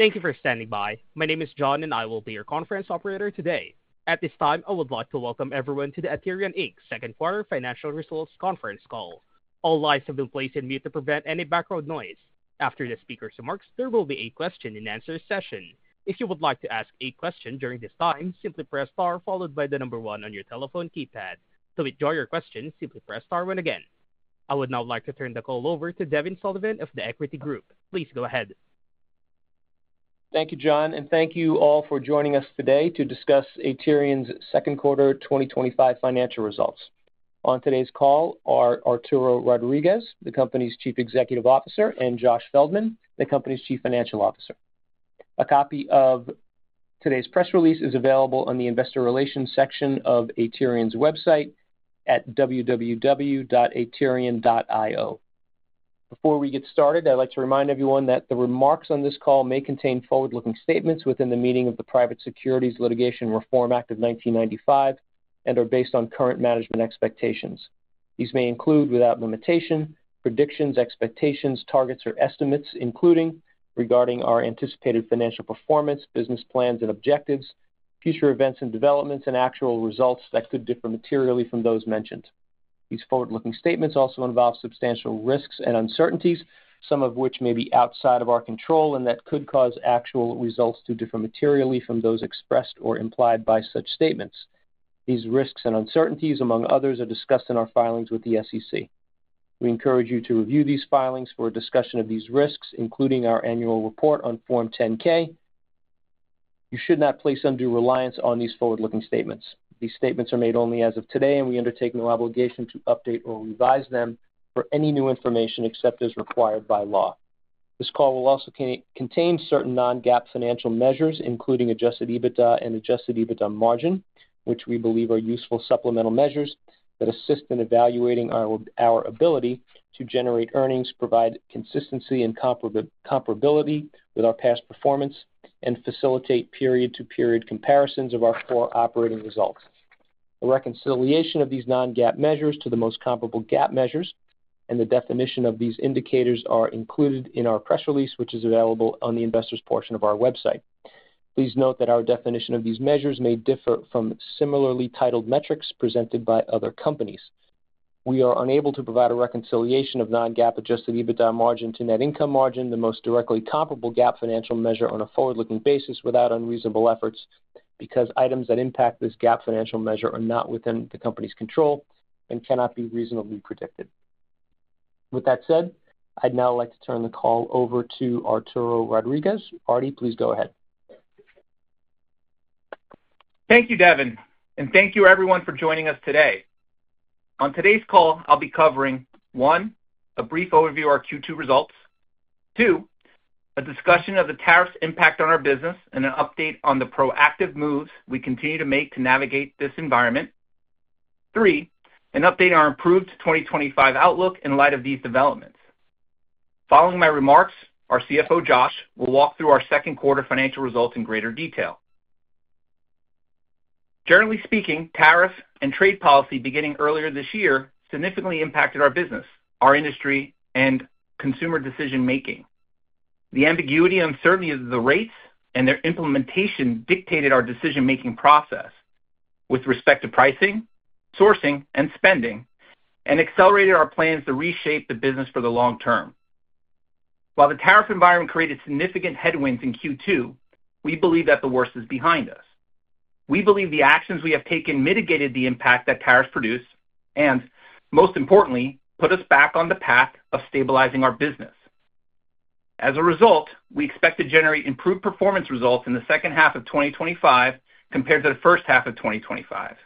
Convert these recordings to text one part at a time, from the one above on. Thank you for standing by. My name is John and I will be your conference operator today. At this time, I would like to welcome everyone to the Aterian Inc.'s second quarter financial results conference call. All lines have been placed on mute to prevent any background noise. After the speakers' remarks, there will be a question and answer session. If you would like to ask a question during this time, simply press star followed by the number one on your telephone keypad. To withdraw your question, simply press star one again. I would now like to turn the call over to Devin Sullivan of The Equity Group. Please go ahead. Thank you, John, and thank you all for joining us today to discuss Aterian's second quarter 2025 financial results. On today's call are Arturo Rodriguez, the company's Chief Executive Officer, and Josh Feldman, the company's Chief Financial Officer. A copy of today's press release is available on the Investor Relations section of Aterian's website at www.aterian.io. Before we get started, I'd like to remind everyone that the remarks on this call may contain forward-looking statements within the meaning of the Private Securities Litigation Reform Act of 1995 and are based on current management expectations. These may include, without limitation, predictions, expectations, targets, or estimates, including regarding our anticipated financial performance, business plans and objectives, future events and developments, and actual results that could differ materially from those mentioned. These forward-looking statements also involve substantial risks and uncertainties, some of which may be outside of our control and that could cause actual results to differ materially from those expressed or implied by such statements. These risks and uncertainties, among others, are discussed in our filings with the SEC. We encourage you to review these filings for a discussion of these risks, including our annual report on Form 10-K. You should not place undue reliance on these forward-looking statements. These statements are made only as of today, and we undertake no obligation to update or revise them for any new information except as required by law. This call will also contain certain non-GAAP financial measures, including adjusted EBITDA and adjusted EBITDA margin, which we believe are useful supplemental measures that assist in evaluating our ability to generate earnings, provide consistency and comparability with our past performance, and facilitate period-to-period comparisons of our floor operating results. A reconciliation of these non-GAAP measures to the most comparable GAAP measures and the definition of these indicators are included in our press release, which is available on the Investors portion of our website. Please note that our definition of these measures may differ from similarly titled metrics presented by other companies. We are unable to provide a reconciliation of non-GAAP adjusted EBITDA margin to net income margin, the most directly comparable GAAP financial measure, on a forward-looking basis without unreasonable efforts because items that impact this GAAP financial measure are not within the company's control and cannot be reasonably predicted. With that said, I'd now like to turn the call over to Arturo Rodriguez. Arti, please go ahead. Thank you, Devin, and thank you everyone for joining us today. On today's call, I'll be covering: one, a brief overview of our Q2 results; two, a discussion of the tariffs' impact on our business and an update on the proactive moves we continue to make to navigate this environment; three, an update on our improved 2025 outlook in light of these developments. Following my remarks, our CFO, Josh Feldman, will walk through our second quarter financial results in greater detail. Generally speaking, tariffs and trade policy beginning earlier this year significantly impacted our business, our industry, and consumer decision-making. The ambiguity and uncertainty of the rates and their implementation dictated our decision-making process with respect to pricing, sourcing, and spending and accelerated our plans to reshape the business for the long term. While the tariff environment created significant headwinds in Q2, we believe that the worst is behind us. We believe the actions we have taken mitigated the impact that tariffs produce and, most importantly, put us back on the path of stabilizing our business. As a result, we expect to generate improved performance results in the second half of 2025 compared to the first half of 2025.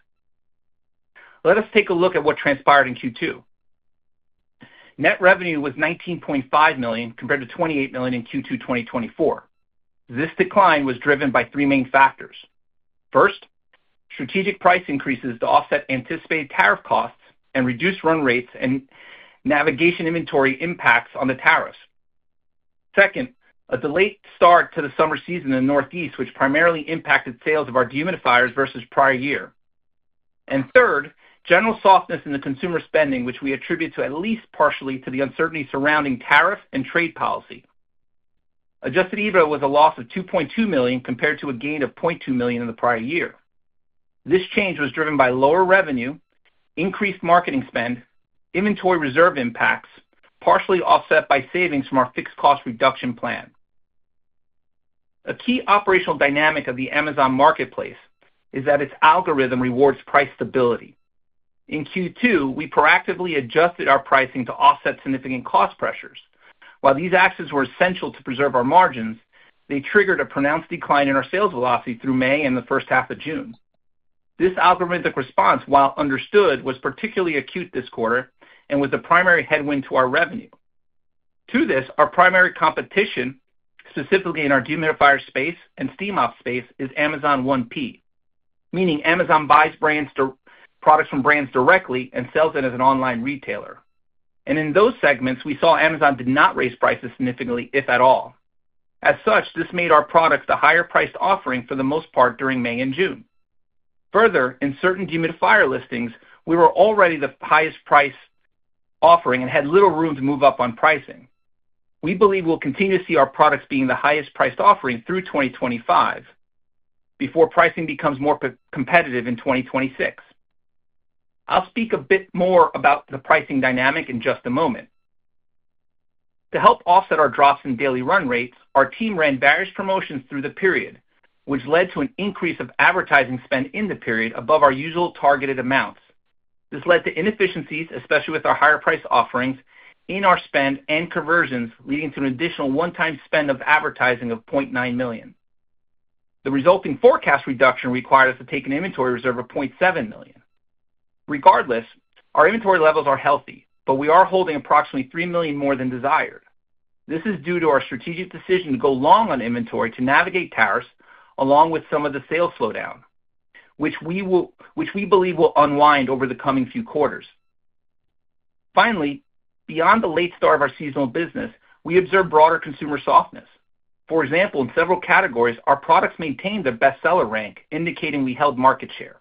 Let us take a look at what transpired in Q2. Net revenue was $19.5 million compared to $28 million in Q2 2024. This decline was driven by three main factors. First, strategic price increases to offset anticipated tariff costs and reduce run rates and navigation inventory impacts on the tariffs. Second, a delayed start to the summer season in the Northeast, which primarily impacted sales of our dehumidifiers versus prior year. Third, general softness in the consumer spending, which we attribute at least partially to the uncertainty surrounding tariff and trade policy. Adjusted EBITDA was a loss of $2.2 million compared to a gain of $0.2 million in the prior year. This change was driven by lower revenue, increased marketing spend, and inventory reserve impacts, partially offset by savings from our fixed cost reduction plan. A key operational dynamic of the Amazon marketplace is that its algorithm rewards price stability. In Q2, we proactively adjusted our pricing to offset significant cost pressures. While these actions were essential to preserve our margins, they triggered a pronounced decline in our sales velocity through May and the first half of June. This algorithmic response, while understood, was particularly acute this quarter and was the primary headwind to our revenue. To this, our primary competition, specifically in our dehumidifier space and steam products space, is Amazon 1P, meaning Amazon buys products from brands directly and sells it as an online retailer. In those segments, we saw Amazon did not raise prices significantly, if at all. As such, this made our products a higher priced offering for the most part during May and June. Further, in certain dehumidifier listings, we were already the highest priced offering and had little room to move up on pricing. We believe we'll continue to see our products being the highest priced offering through 2025 before pricing becomes more competitive in 2026. I'll speak a bit more about the pricing dynamic in just a moment. To help offset our drops in daily run rates, our team ran various promotions through the period, which led to an increase of advertising spend in the period above our usual targeted amounts. This led to inefficiencies, especially with our higher priced offerings in our spend and conversions, leading to an additional one-time spend of advertising of $0.9 million. The resulting forecast reduction required us to take an inventory reserve of $0.7 million. Regardless, our inventory levels are healthy, but we are holding approximately $3 million more than desired. This is due to our strategic decision to go long on inventory to navigate tariffs, along with some of the sales slowdown, which we believe will unwind over the coming few quarters. Finally, beyond the late start of our seasonal business, we observed broader consumer softness. For example, in several categories, our products maintained their bestseller rank, indicating we held market share.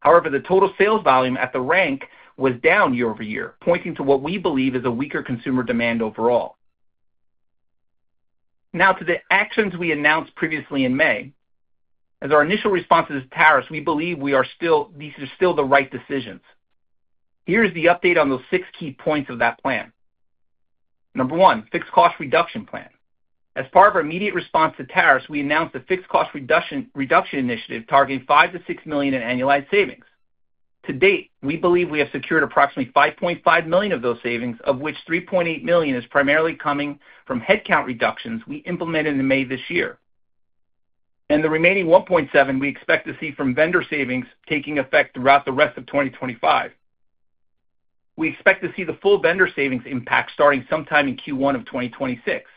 However, the total sales volume at the rank was down year over year, pointing to what we believe is a weaker consumer demand overall. Now, to the actions we announced previously in May, as our initial responses to tariffs, we believe these are still the right decisions. Here is the update on those six key points of that plan. Number one, fixed cost reduction plan. As part of our immediate response to tariffs, we announced the fixed cost reduction initiative targeting $5 million - $6 million in annualized savings. To date, we believe we have secured approximately $5.5 million of those savings, of which $3.8 million is primarily coming from headcount reductions we implemented in May this year. The remaining $1.7 million we expect to see from vendor savings taking effect throughout the rest of 2025. We expect to see the full vendor savings impact starting sometime in Q1 of 2026.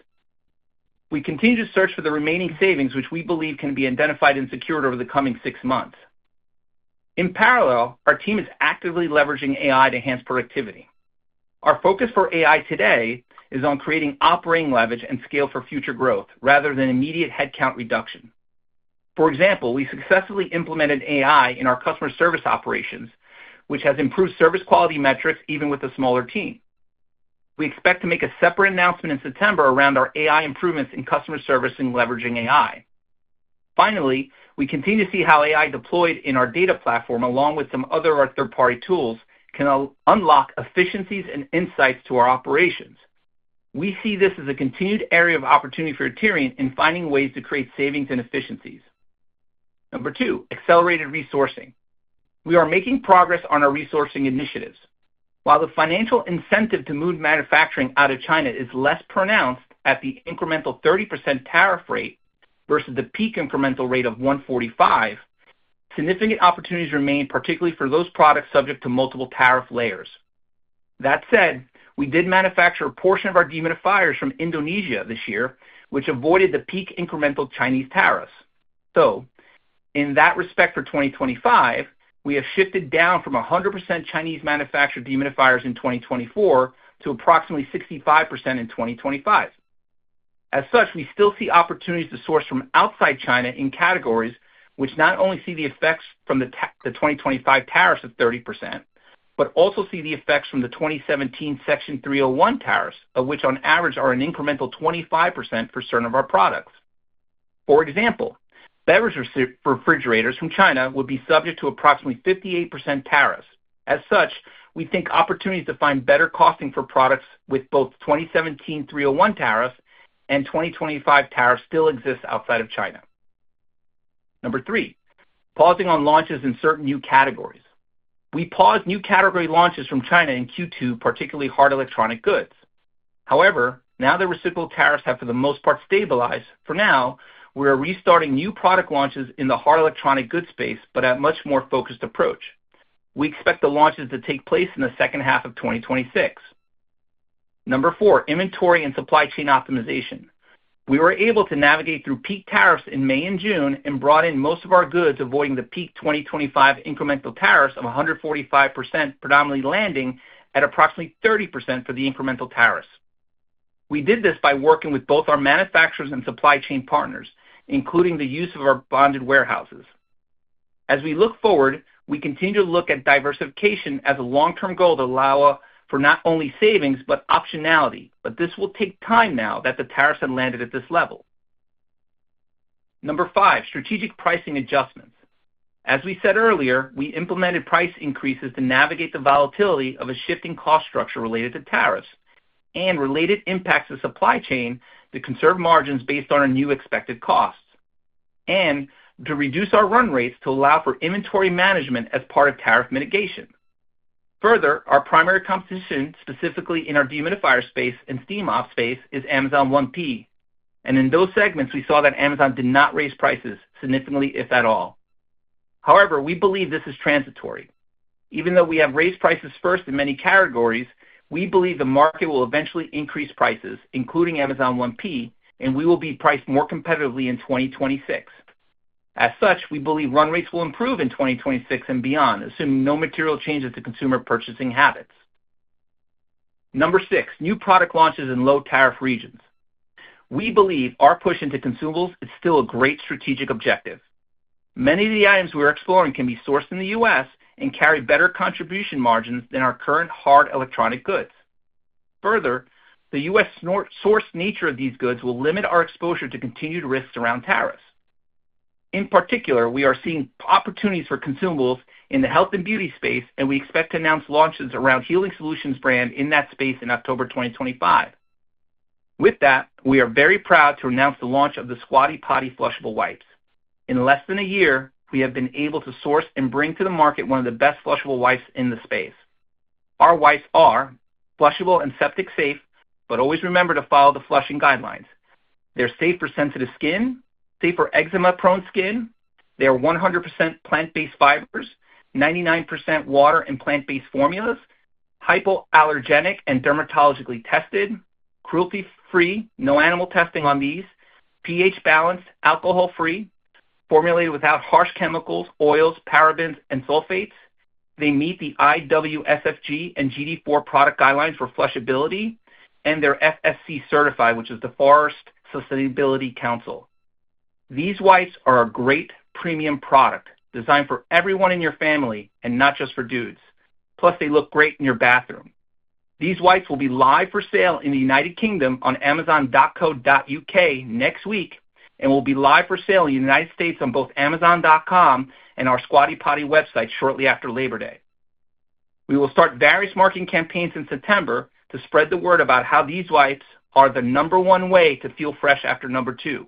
We continue to search for the remaining savings, which we believe can be identified and secured over the coming six months. In parallel, our team is actively leveraging AI to enhance productivity. Our focus for AI today is on creating operating leverage and scale for future growth rather than immediate headcount reduction. For example, we successfully implemented AI in our customer service operations, which has improved service quality metrics even with a smaller team. We expect to make a separate announcement in September around our AI improvements in customer service and leveraging AI. Finally, we continue to see how AI deployed in our data platform, along with some other third-party tools, can unlock efficiencies and insights to our operations. We see this as a continued area of opportunity for Aterian in finding ways to create savings and efficiencies. Number two, accelerated resourcing. We are making progress on our resourcing initiatives. While the financial incentive to move manufacturing out of China is less pronounced at the incremental 30% tariff rate versus the peak incremental rate of 145%, significant opportunities remain, particularly for those products subject to multiple tariff layers. That said, we did manufacture a portion of our dehumidifiers from Indonesia this year, which avoided the peak incremental Chinese tariffs. In that respect for 2025, we have shifted down from 100% Chinese manufactured dehumidifiers in 2024 to approximately 65% in 2025. As such, we still see opportunities to source from outside China in categories which not only see the effects from the 2025 tariffs of 30%, but also see the effects from the 2017 Section 301 tariffs, which on average are an incremental 25% for certain of our products. For example, beverage refrigerators from China will be subject to approximately 58% tariffs. We think opportunities to find better costing for products with both 2017 301 tariffs and 2025 tariffs still exist outside of China. Number three, pausing on launches in certain new categories. We paused new category launches from China in Q2, particularly hard electronic goods. However, now that reciprocal tariffs have, for the most part, stabilized for now, we are restarting new product launches in the hard electronic goods space, but at a much more focused approach. We expect the launches to take place in the second half of 2026. Number four, inventory and supply chain optimization. We were able to navigate through peak tariffs in May and June and brought in most of our goods, avoiding the peak 2025 incremental tariffs of 145%, predominantly landing at approximately 30% for the incremental tariffs. We did this by working with both our manufacturers and supply chain partners, including the use of our bonded warehouses. As we look forward, we continue to look at diversification as a long-term goal to allow for not only savings but optionality, but this will take time now that the tariffs have landed at this level. Number five, strategic pricing adjustments. As we said earlier, we implemented price increases to navigate the volatility of a shifting cost structure related to tariffs and related impacts of supply chain to conserve margins based on our new expected costs and to reduce our run rates to allow for inventory management as part of tariff mitigation. Further, our primary competition, specifically in our dehumidifier space and steam products space, is Amazon 1P. In those segments, we saw that Amazon did not raise prices significantly, if at all. However, we believe this is transitory. Even though we have raised prices first in many categories, we believe the market will eventually increase prices, including Amazon 1P, and we will be priced more competitively in 2026. As such, we believe run rates will improve in 2026 and beyond, assuming no material changes to consumer purchasing habits. Number six, new product launches in low tariff regions. We believe our push into consumables is still a great strategic objective. Many of the items we are exploring can be sourced in the U.S. and carry better contribution margins than our current hard electronic goods. Further, the U.S.-sourced nature of these goods will limit our exposure to continued risks around tariffs. In particular, we are seeing opportunities for consumables in the health and beauty space, and we expect to announce launches around the Healing Solutions brand in that space in October 2025. With that, we are very proud to announce the launch of the Squatty Potty flushable wipes. In less than a year, we have been able to source and bring to the market one of the best flushable wipes in the space. Our wipes are flushable and septic safe, but always remember to follow the flushing guidelines. They're safe for sensitive skin, safe for eczema-prone skin. They are 100% plant-based fibers, 99% water and plant-based formulas, hypoallergenic and dermatologically tested, cruelty-free, no animal testing on these, pH balanced, alcohol-free, formulated without harsh chemicals, oils, parabens, and sulfates. They meet the IWSFG and GD4 product guidelines for flushability, and they're FSC certified, which is the Forest Stewardship Council. These wipes are a great premium product designed for everyone in your family and not just for dudes. Plus, they look great in your bathroom. These wipes will be live for sale in the United Kingdom on amazon.co.U.K. next week and will be live for sale in the United States on both amazon.com and our Squatty Potty website shortly after Labor Day. We will start various marketing campaigns in September to spread the word about how these wipes are the number one way to feel fresh after number two.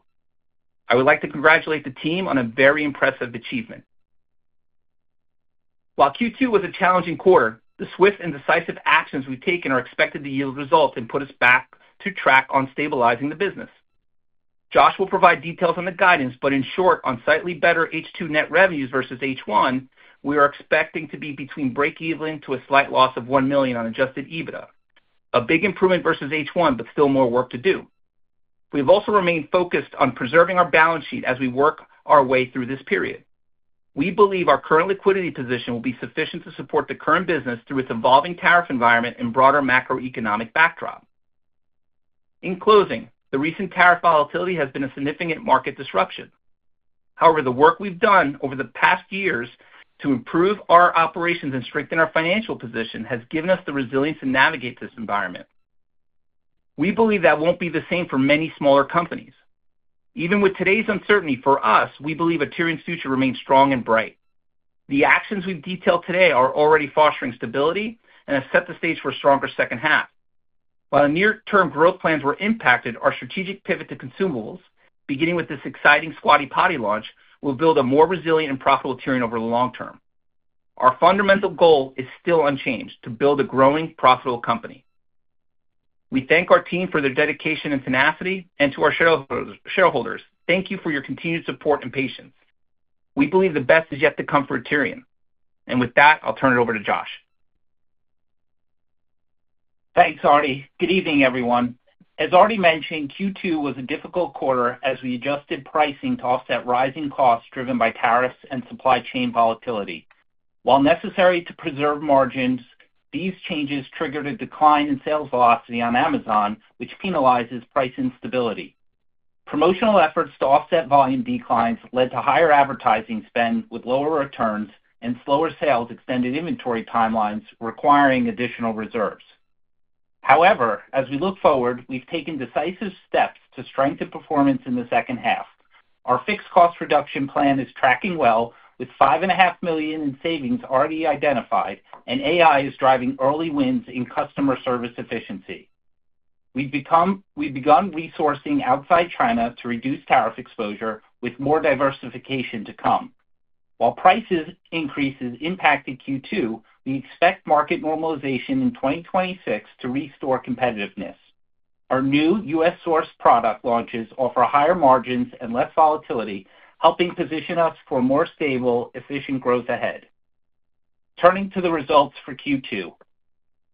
I would like to congratulate the team on a very impressive achievement. While Q2 was a challenging quarter, the swift and decisive actions we've taken are expected to yield results and put us back on track to stabilizing the business. Josh will provide details on the guidance, but in short, on slightly better H2 net revenues versus H1, we are expecting to be between breakeven to a slight loss of $1 million on adjusted EBITDA. A big improvement versus H1, but still more work to do. We've also remained focused on preserving our balance sheet as we work our way through this period. We believe our current liquidity position will be sufficient to support the current business through its evolving tariff environment and broader macroeconomic backdrop. In closing, the recent tariff volatility has been a significant market disruption. However, the work we've done over the past years to improve our operations and strengthen our financial position has given us the resilience to navigate this environment. We believe that won't be the same for many smaller companies. Even with today's uncertainty for us, we believe Aterian's future remains strong and bright. The actions we've detailed today are already fostering stability and have set the stage for a stronger second half. While near-term growth plans were impacted, our strategic pivot to consumables, beginning with this exciting Squatty Potty flushable wipes launch, will build a more resilient and profitable Aterian over the long term. Our fundamental goal is still unchanged: to build a growing, profitable company. We thank our team for their dedication and tenacity, and to our shareholders, thank you for your continued support and patience. We believe the best is yet to come for Aterian. With that, I'll turn it over to Josh. Thanks, Arti. Good evening, everyone. As Arti mentioned, Q2 was a difficult quarter as we adjusted pricing to offset rising costs driven by tariffs and supply chain volatility. While necessary to preserve margins, these changes triggered a decline in sales velocity on Amazon, which penalizes price instability. Promotional efforts to offset volume declines led to higher advertising spend with lower returns, and slower sales extended inventory tiMELInes, requiring additional reserves. However, as we look forward, we've taken decisive steps to strengthen performance in the second half. Our fixed cost reduction plan is tracking well, with $5.5 million in savings already identified, and AI is driving early wins in customer service efficiency. We've begun resourcing outside China to reduce tariff exposure, with more diversification to come. While price increases impacted Q2, we expect market normalization in 2026 to restore competitiveness. Our new U.S.-sourced product launches offer higher margins and less volatility, helping position us for more stable, efficient growth ahead. Turning to the results for Q2,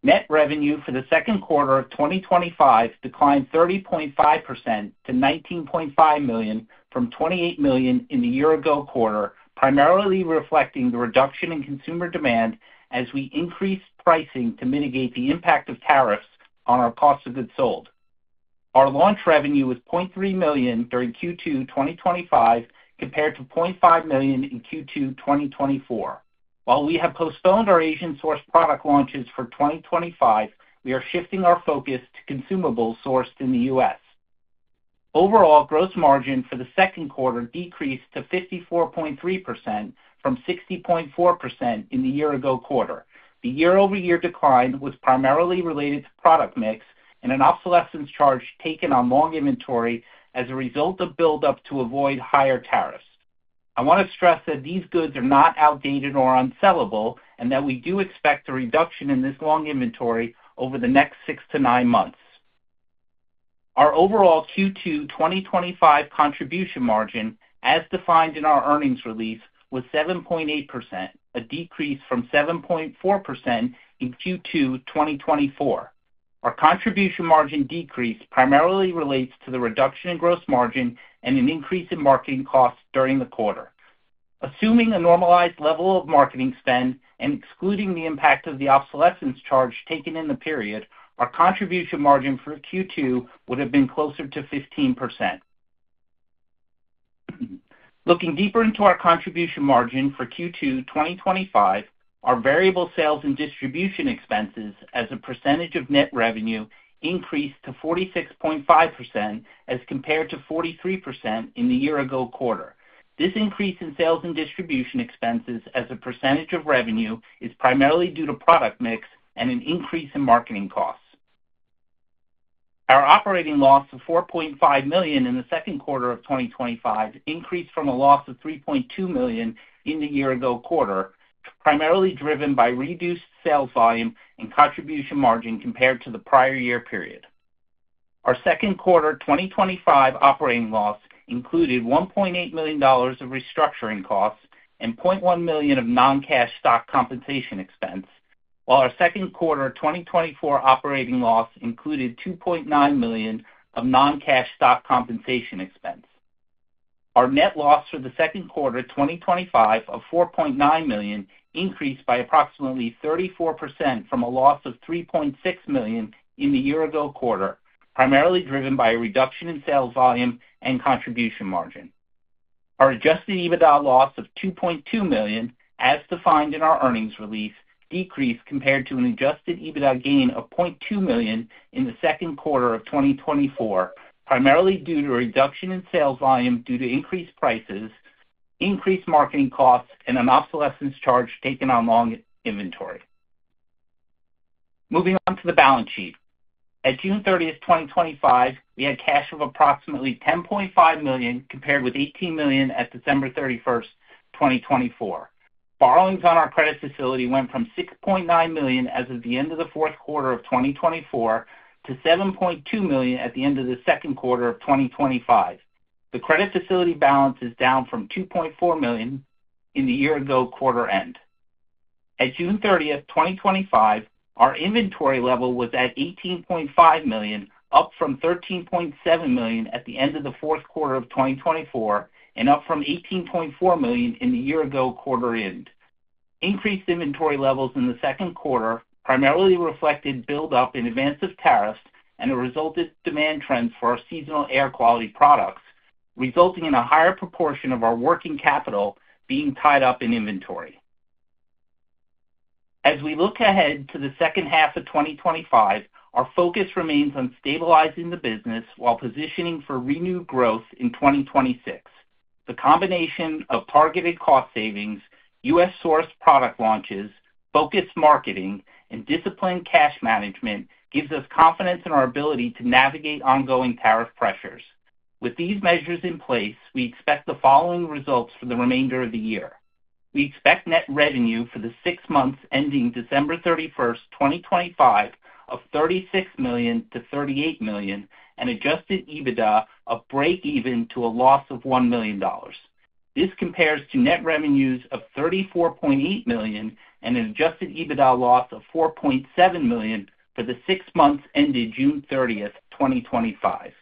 net revenue for the second quarter of 2025 declined 30.5% to $19.5 million from $28 million in the year-ago quarter, primarily reflecting the reduction in consumer demand as we increased pricing to mitigate the impact of tariffs on our cost of goods sold. Our launch revenue was $0.3 million during Q2 2025 compared to $0.5 million in Q2 2024. While we have postponed our Asian-sourced product launches for 2025, we are shifting our focus to consumables sourced in the U.S. Overall, gross margin for the second quarter decreased to 54.3% from 60.4% in the year-ago quarter. The year-over-year decline was primarily related to product mix and an obsolescence charge taken on long inventory as a result of buildup to avoid higher tariffs. I want to stress that these goods are not outdated or unsellable and that we do expect a reduction in this long inventory over the next six to nine months. Our overall Q2 2025 contribution margin, as defined in our earnings release, was 7.8%, a decrease from 7.4% in Q2 2024. Our contribution margin decrease primarily relates to the reduction in gross margin and an increase in marketing costs during the quarter. Assuming a normalized level of marketing spend and excluding the impact of the obsolescence charge taken in the period, our contribution margin for Q2 would have been closer to 15%. Looking deeper into our contribution margin for Q2 2025, our variable sales and distribution expenses as a percentage of net revenue increased to 46.5% as compared to 43% in the year-ago quarter. This increase in sales and distribution expenses as a percentage of revenue is primarily due to product mix and an increase in marketing costs. Our operating loss of $4.5 million in the second quarter of 2025 increased from a loss of $3.2 million in the year-ago quarter, primarily driven by reduced sales volume and contribution margin compared to the prior year period. Our second quarter 2025 operating loss included $1.8 million of restructuring costs and $0.1 million of non-cash stock compensation expense, while our second quarter 2024 operating loss included $2.9 million of non-cash stock compensation expense. Our net loss for the second quarter 2025 of $4.9 million increased by approximately 34% from a loss of $3.6 million in the year-ago quarter, primarily driven by a reduction in sales volume and contribution margin. Our adjusted EBITDA loss of $2.2 million, as defined in our earnings release, decreased compared to an adjusted EBITDA gain of $0.2 million in the second quarter of 2024, primarily due to a reduction in sales volume due to increased prices, increased marketing costs, and an obsolescence charge taken on long inventory. Moving on to the balance sheet. At June 30th, 2025, we had cash of approximately $10.5 million compared with $18 million at December 31st, 2024. Borrowings on our credit facility went from $6.9 million as of the end of the fourth quarter of 2024 to $7.2 million at the end of the second quarter of 2025. The credit facility balance is down from $2.4 million in the year-ago quarter end. At June 30th, 2025, our inventory level was at $18.5 million, up from $13.7 million at the end of the fourth quarter of 2024, and up from $18.4 million in the year-ago quarter end. Increased inventory levels in the second quarter primarily reflected buildup in advance of tariffs and a resultant demand trends for our seasonal air quality products, resulting in a higher proportion of our working capital being tied up in inventory. As we look ahead to the second half of 2025, our focus remains on stabilizing the business while positioning for renewed growth in 2026. The combination of targeted cost savings, U.S.-sourced product launches, focused marketing, and disciplined cash management gives us confidence in our ability to navigate ongoing tariff pressures. With these measures in place, we expect the following results for the remainder of the year. We expect net revenue for the six months ending December 31st, 2025, of $36 million to $38 million and adjusted EBITDA of breakeven to a loss of $1 million. This compares to net revenue of $34.8 million and an adjusted EBITDA loss of $4.7 million for the six months ending June 30th, 2025.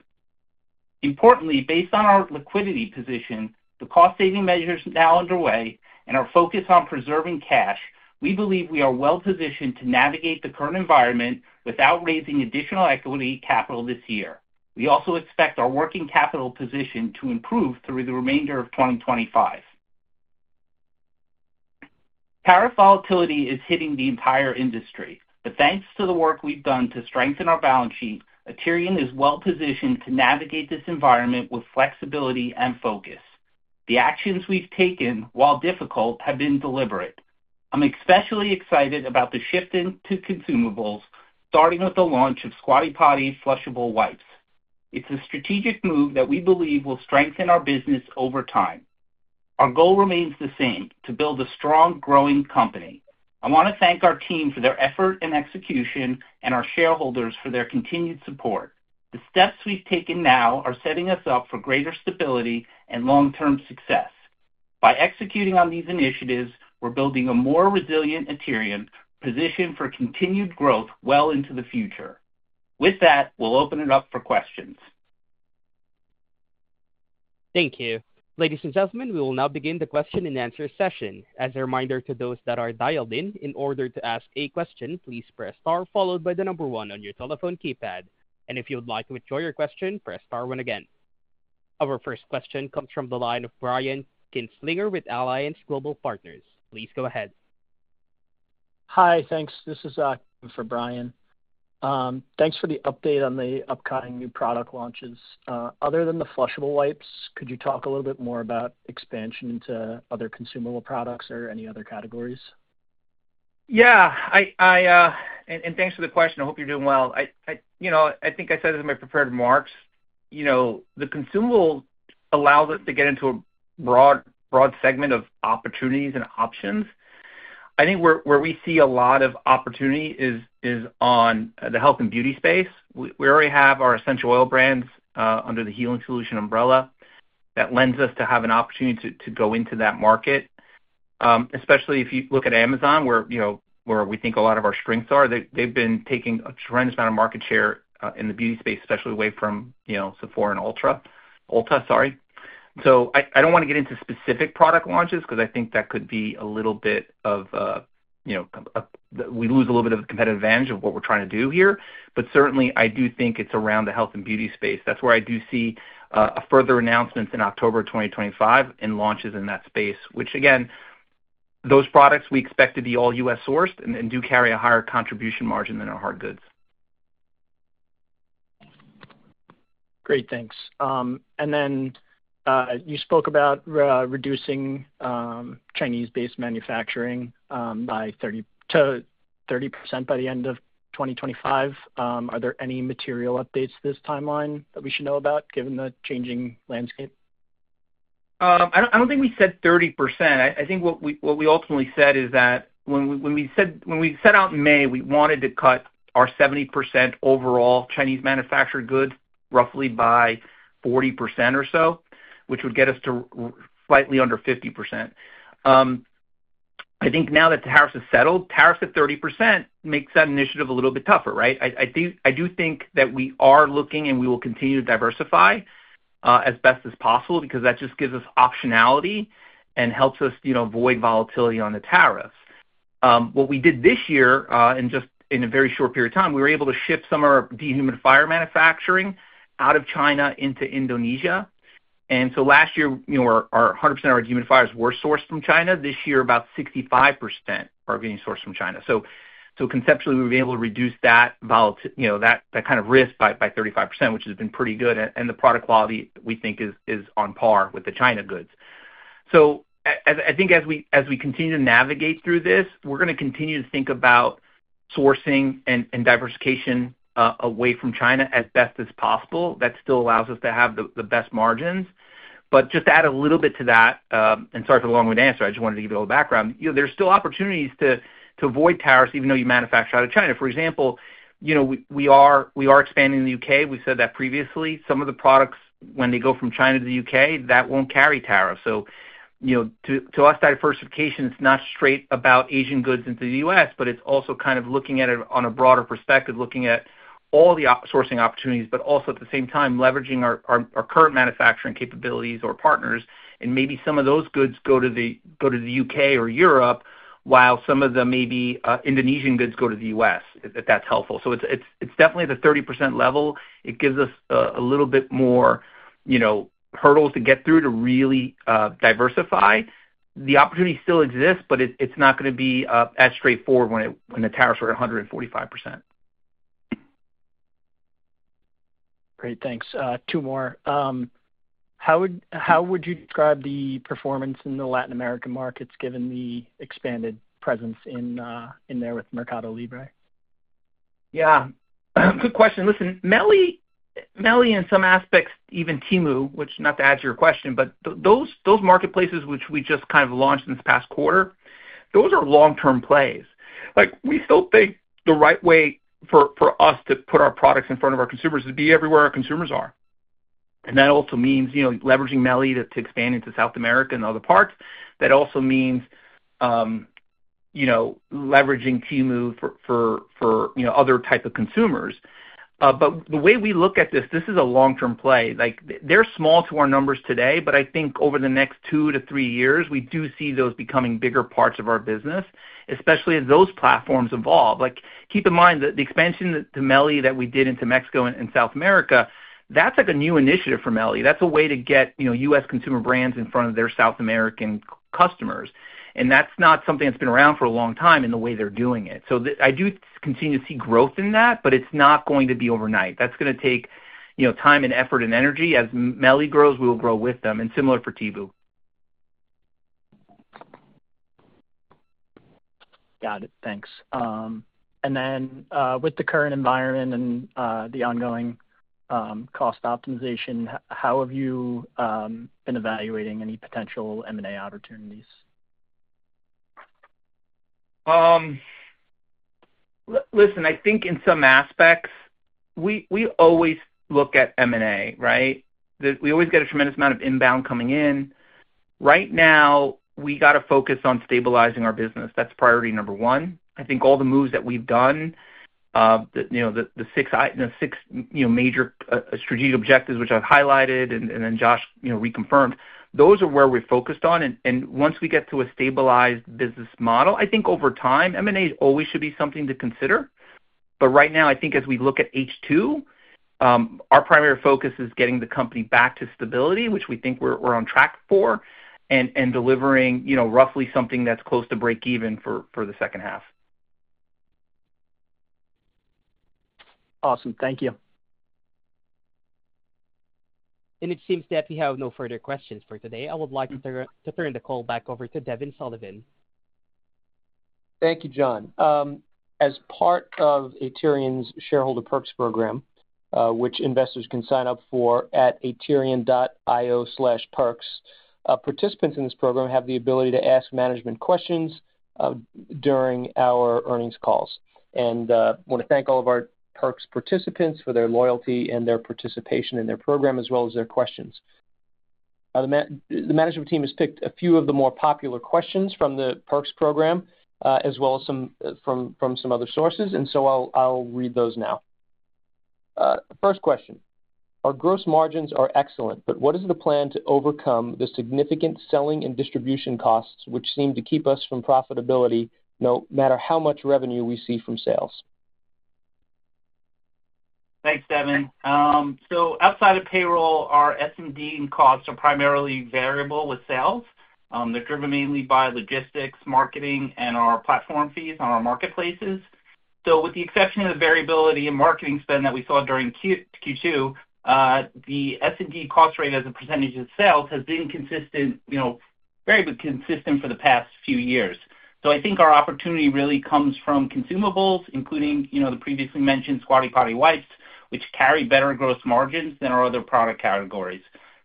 Importantly, based on our liquidity position, the cost-saving measures now underway, and our focus on preserving cash, we believe we are well-positioned to navigate the current environment without raising additional equity capital this year. We also expect our working capital position to improve through the remainder of 2025. Tariff volatility is hitting the entire industry, but thanks to the work we've done to strengthen our balance sheet, Aterian is well-positioned to navigate this environment with flexibility and focus. The actions we've taken, while difficult, have been deliberate. I'm especially excited about the shift to consumables, starting with the launch of Squatty Potty flushable wipes. It's a strategic move that we believe will strengthen our business over time. Our goal remains the same: to build a strong, growing company. I want to thank our team for their effort and execution and our shareholders for their continued support. The steps we've taken now are setting us up for greater stability and long-term success. By executing on these initiatives, we're building a more resilient Aterian, positioned for continued growth well into the future. With that, we'll open it up for questions. Thank you. Ladies and gentlemen, we will now begin the question and answer session. As a reminder to those that are dialed in, in order to ask a question, please press star followed by the number 1 on your telephone keypad. If you would like to withdraw your question, press star 1 again. Our first question comes from the line of Brian Kinstlinger with Alliance Global Partners. Please go ahead. Hi, thanks. This is for Brian. Thanks for the update on the upcoming new product launches. Other than the flushable wipes, could you talk a little bit more about expansion into other consumable products or any other categories? Yeah, and thanks for the question. I hope you're doing well. I think I said it in my prepared remarks. The consumables allow us to get into a broad segment of opportunities and options. I think where we see a lot of opportunity is on the health and beauty space. We already have our essential oil brands under the Healing Solutions umbrella that lends us to have an opportunity to go into that market. Especially if you look at Amazon, where we think a lot of our strengths are, they've been taking a tremendous amount of market share in the beauty space, especially away from Sephora and Ulta. Sorry. I don't want to get into specific product launches because I think that could be a little bit of, you know, we lose a little bit of a competitive advantage of what we're trying to do here. Certainly, I do think it's around the health and beauty space. That's where I do see further announcements in October 2025 and launches in that space, which again, those products we expect to be all U.S. sourced and do carry a higher contribution margin than our hard goods. Great, thanks. You spoke about reducing China-based manufacturing by 30% by the end of 2025. Are there any material updates to this tiMELIne that we should know about given the changing landscape? I don't think we said 30%. I think what we ultimately said is that when we said out in May, we wanted to cut our 70% overall Chinese manufactured goods roughly by 40% or so, which would get us to slightly under 50%. I think now that the tariffs have settled, tariffs at 30% make that initiative a little bit tougher, right? I do think that we are looking and we will continue to diversify as best as possible because that just gives us optionality and helps us avoid volatility on the tariffs. What we did this year, and just in a very short period of time, we were able to shift some of our dehumidifier manufacturing out of China into Indonesia. Last year, 100% of our dehumidifiers were sourced from China. This year, about 65% are being sourced from China. Conceptually, we were able to reduce that kind of risk by 35%, which has been pretty good. The product quality we think is on par with the China goods. I think as we continue to navigate through this, we're going to continue to think about sourcing and diversification away from China as best as possible. That still allows us to have the best margins. Just to add a little bit to that, and sorry for the long-winded answer, I just wanted to give you a little background. There's still opportunities to avoid tariffs even though you manufacture out of China. For example, we are expanding in the U.K. We've said that previously. Some of the products, when they go from China to the U.K., that won't carry tariffs. To us, diversification is not straight about Asian goods into the U.S., but it's also kind of looking at it on a broader perspective, looking at all the sourcing opportunities, but also at the same time leveraging our current manufacturing capabilities or partners. Maybe some of those goods go to the U.K. or Europe while some of the maybe Indonesian goods go to the U.S., if that's helpful. It's definitely at the 30% level. It gives us a little bit more hurdles to get through to really diversify. The opportunity still exists, but it's not going to be as straightforward when the tariffs are at 145%. Great, thanks. Two more. How would you describe the performance in the Latin American markets given the expanded presence in there with Mercado Libre? Yeah, good question. Listen, MELI and some aspects, even Temu, which not to add to your question, but those marketplaces which we just kind of launched in this past quarter, those are long-term plays. We still think the right way for us to put our products in front of our consumers is to be everywhere our consumers are. That also means leveraging MELI to expand into South America and other parts. That also means leveraging Temu for other types of consumers. The way we look at this, this is a long-term play. They're small to our numbers today, but I think over the next two to three years, we do see those becoming bigger parts of our business, especially as those platforms evolve. Keep in mind that the expansion to MELI that we did into Mexico and South America, that's like a new initiative for MELI. That's a way to get U.S. consumer brands in front of their South American customers. That's not something that's been around for a long time in the way they're doing it. I do continue to see growth in that, but it's not going to be overnight. That's going to take time and effort and energy. As MELI grows, we will grow with them. Similar for Temu. Got it. Thanks. With the current environment and the ongoing cost optimization, how have you been evaluating any potential M&A opportunities? Listen, I think in some aspects, we always look at M&A, right? We always get a tremendous amount of inbound coming in. Right now, we got to focus on stabilizing our business. That's priority number one. I think all the moves that we've done, the six major strategic objectives, which I've highlighted and then Josh reconfirmed, those are where we're focused on. Once we get to a stabilized business model, I think over time, M&A always should be something to consider. Right now, I think as we look at H2, our primary focus is getting the company back to stability, which we think we're on track for, and delivering roughly something that's close to breakeven for the second half. Awesome. Thank you. It seems that we have no further questions for today. I would like to turn the call back over to Devin Sullivan. Thank you, John. As part of Aterian's shareholder perks program, which investors can sign up for at aterian.io/perks, participants in this program have the ability to ask management questions during our earnings calls. I want to thank all of our perks participants for their loyalty and their participation in the program, as well as their questions. The management team has picked a few of the more popular questions from the perks program, as well as some from other sources. I'll read those now. First question. Our gross margins are excellent, but what is the plan to overcome the significant selling and distribution costs, which seem to keep us from profitability, no matter how much revenue we see from sales? Thanks, Devin. Outside of payroll, our SMD and costs are primarily variable with sales. They're driven mainly by logistics, marketing, and our platform fees on our marketplaces. With the exception of the variability in marketing spend that we saw during Q2, the SMD cost rate as a percentage of sales has been very consistent for the past few years. I think our opportunity really comes from consumables, including the previously mentioned Squatty Potty flushable wipes, which carry better gross margins than our other product categories.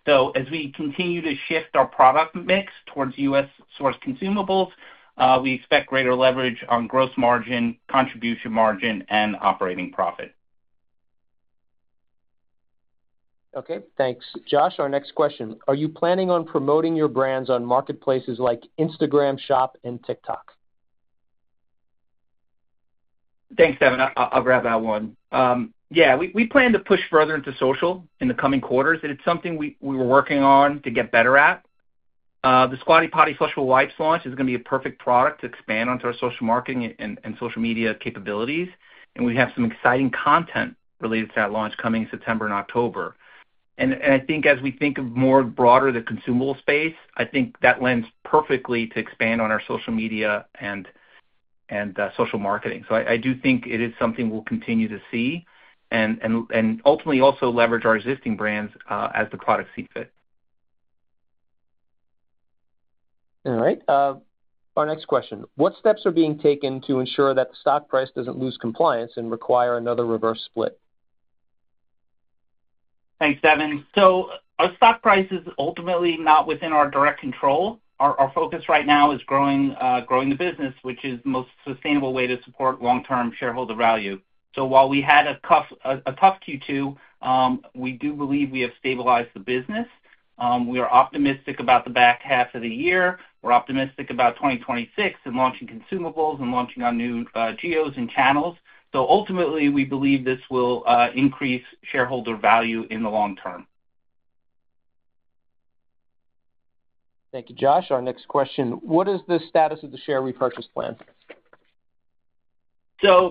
As we continue to shift our product mix towards U.S.-sourced consumables, we expect greater leverage on gross margin, contribution margin, and operating profit. Okay, thanks. Josh, our next question. Are you planning on promoting your brands on marketplaces like Instagram Shop and TikTok? Thanks, Devin. I'll grab that one. Yeah, we plan to push further into social in the coming quarters, and it's something we were working on to get better at. The Squatty Potty flushable wipes launch is going to be a perfect product to expand onto our social marketing and social media capabilities. We have some exciting content related to that launch coming in September and October. I think as we think of more broader the consumable space, I think that lends perfectly to expand on our social media and social marketing. I do think it is something we'll continue to see and ultimately also leverage our existing brands as the products see fit. All right. Our next question. What steps are being taken to ensure that the stock price doesn't lose compliance and require another reverse split? Thanks, Devin. Our stock price is ultimately not within our direct control. Our focus right now is growing the business, which is the most sustainable way to support long-term shareholder value. While we had a tough Q2, we do believe we have stabilized the business. We are optimistic about the back half of the year, optimistic about 2026 and launching consumables and launching our new geos and channels. Ultimately, we believe this will increase shareholder value in the long term. Thank you, Josh. Our next question. What is the status of the share repurchase plan?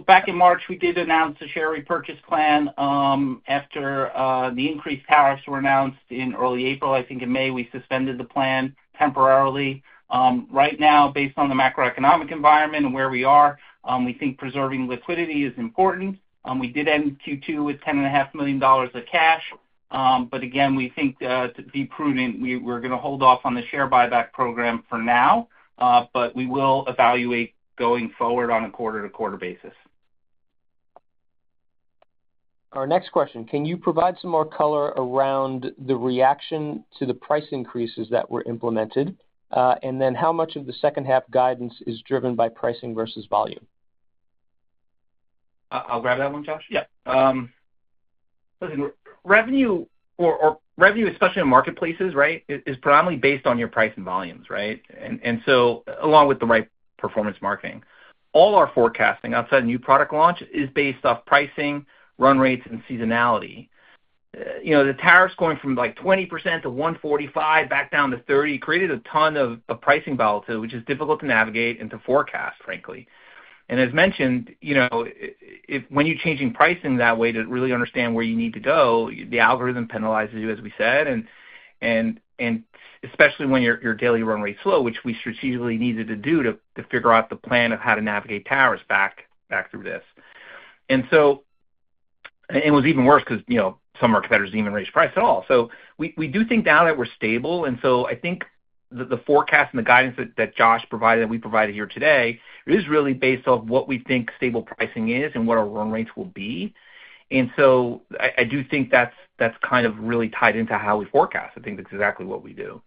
Back in March, we did announce the share repurchase plan after the increased tariffs were announced in early April. I think in May, we suspended the plan temporarily. Right now, based on the macroeconomic environment and where we are, we think preserving liquidity is important. We did end Q2 with $10.5 million of cash. Again, we think to be prudent, we're going to hold off on the share buyback program for now. We will evaluate going forward on a quarter-to-quarter basis. Our next question. Can you provide some more color around the reaction to the price increases that were implemented? How much of the second half guidance is driven by pricing versus volume? I'll grab that one, Josh. Yeah. Listen, revenue, or revenue especially in marketplaces, is predominantly based on your price and volumes, right? Along with the right performance marketing. All our forecasting outside a new product launch is based off pricing, run rates, and seasonality. The tariffs going from like 20% to 145%, back down to 30% created a ton of pricing volatility, which is difficult to navigate and to forecast, frankly. As mentioned, when you're changing pricing that way to really understand where you need to go, the algorithm penalizes you, as we said, especially when your daily run rates slow, which we strategically needed to do to figure out the plan of how to navigate tariffs back through this. It was even worse because some of our competitors didn't even raise price at all. We do think now that we're stable, and I think the forecast and the guidance that Josh provided, that we provided here today, is really based off what we think stable pricing is and what our run rates will be. I do think that's kind of really tied into how we forecast. I think that's exactly what we do.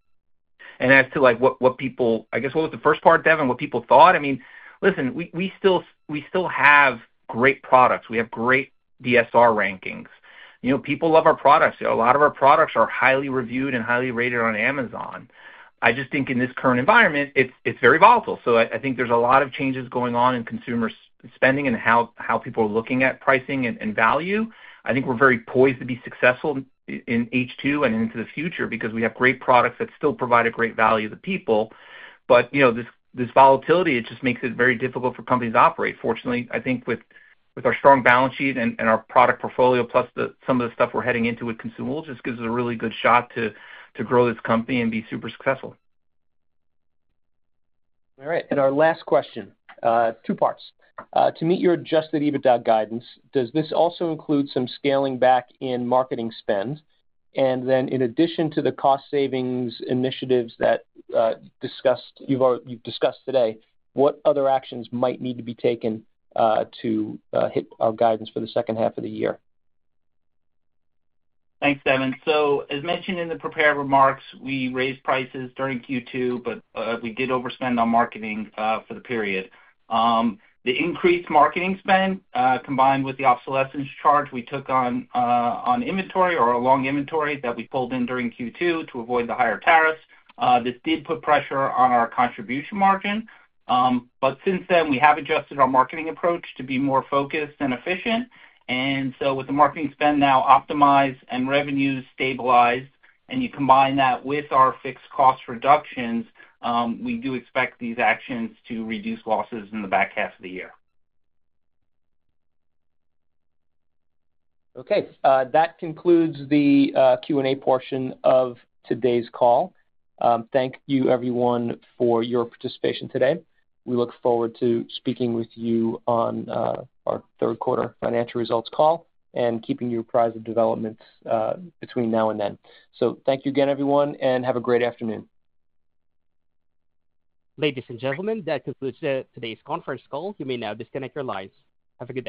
As to what people, I guess what was the first part, Devin, what people thought, I mean, listen, we still have great products. We have great DSR rankings. People love our products. A lot of our products are highly reviewed and highly rated on Amazon. I just think in this current environment, it's very volatile. I think there's a lot of changes going on in consumer spending and how people are looking at pricing and value. I think we're very poised to be successful in H2 and into the future because we have great products that still provide a great value to people. This volatility just makes it very difficult for companies to operate. Fortunately, I think with our strong balance sheet and our product portfolio, plus some of the stuff we're heading into with consumables, it just gives us a really good shot to grow this company and be super successful. All right. Our last question, two parts. To meet your adjusted EBITDA guidance, does this also include some scaling back in marketing spend? In addition to the cost savings initiatives that you've discussed today, what other actions might need to be taken to hit our guidance for the second half of the year? Thanks, Devin. As mentioned in the prepared remarks, we raised prices during Q2, but we did overspend on marketing for the period. The increased marketing spend, combined with the obsolescence charge we took on inventory or a long inventory that we pulled in during Q2 to avoid the higher tariffs, did put pressure on our contribution margin. Since then, we have adjusted our marketing approach to be more focused and efficient. With the marketing spend now optimized and revenue stabilized, and you combine that with our fixed cost reductions, we do expect these actions to reduce losses in the back half of the year. Okay, that concludes the Q&A portion of today's call. Thank you, everyone, for your participation today. We look forward to speaking with you on our third quarter financial results call and keeping you apprised of developments between now and then. Thank you again, everyone, and have a great afternoon. Ladies and gentlemen, that concludes today's conference call. You may now disconnect your lines. Have a good day.